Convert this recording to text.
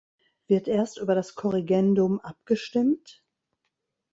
Wird erst über das Korrigendum abgestimmt?